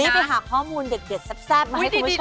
ไปหาข้อมูลเด็ดแซ่บมาให้คุณผู้ชม